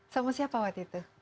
sama siapa waktu itu